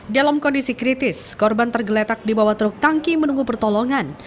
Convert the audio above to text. dalam kondisi kritis korban tergeletak di bawah truk tangki menunggu pertolongan